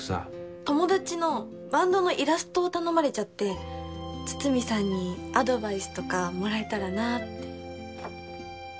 友達のバンドのイラストを頼まれちゃって筒見さんにアドバイスとかもらえたらなって。